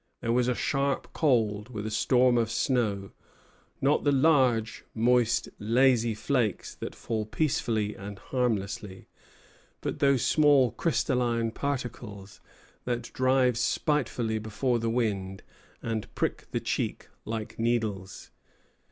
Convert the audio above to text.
There was sharp cold, with a storm of snow, not the large, moist, lazy flakes that fall peacefully and harmlessly, but those small crystalline particles that drive spitefully before the wind, and prick the cheek like needles.